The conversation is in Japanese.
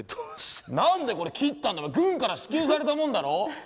何でこれ切ったんだ軍から支給されたもんだろ？